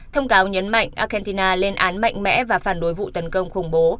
thông cáo nhấn mạnh argentina lên án mạnh mẽ và phản đối vụ tấn công khủng bố